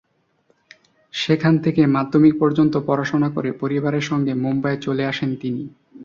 সেখান থেকেই মাধ্যমিক পর্যন্ত পড়াশোনা করে পরিবারের সঙ্গে মুম্বাইয়ে চলে আসেন তিনি।